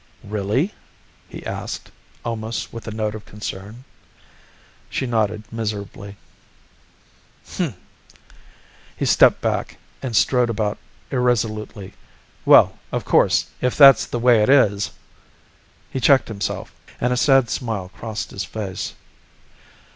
"Really?" he asked, almost with a note of concern. She nodded miserably. "Hmm!" He stepped back and strode about irresolutely. "Well, of course, if that's the way it is ..." He checked himself and a sad smile crossed his face.